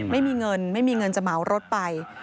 ไม่มีเงินไม่มีเงินจะเหมารถไป